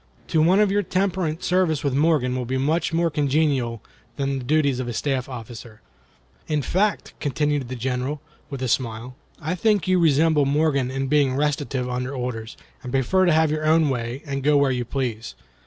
To one of your temperament service with Morgan will be much more congenial than the duties of a staff officer. In fact," continued the General, with a smile, "I think you resemble Morgan in being restive under orders, and prefer to have your own way and go where you please.